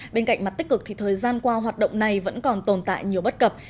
bên cạnh mặt tích cực thì thời gian qua hoạt động này vẫn còn tồn tại nhiều bất cập